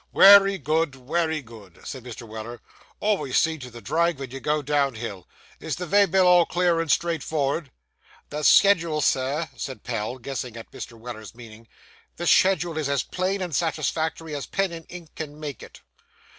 'Wery good, wery good,' said Mr. Weller. 'Alvays see to the drag ven you go downhill. Is the vay bill all clear and straight for'erd?' 'The schedule, sir,' said Pell, guessing at Mr. Weller's meaning, 'the schedule is as plain and satisfactory as pen and ink can make it.